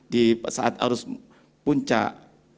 di saat arus puncak